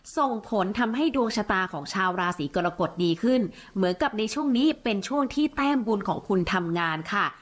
ส่งผลทำให้ดวงชะตาของชาวราศีกรกฎดีขึ้นเหมือนกับในช่วงนี้เป็นช่วงที่แต้มบุญของคุณทำงานค่ะ